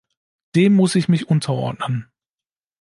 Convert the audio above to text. Dem muss ich mich unterordnen.